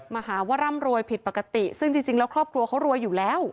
มาหาว่าร่ำรวยผิดปกติซึ่งจริงแล้วครอบครัวเขารวยอยู่แล้ว